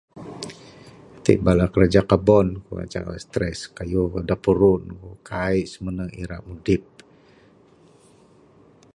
Tik bala kraja kabon kuk ngancak kuk stress kayuh da puruh kuk kaik semenu' ira' mudip.